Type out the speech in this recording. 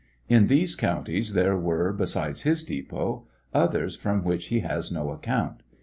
In these counties there were, besides his depot, others from which he has no account.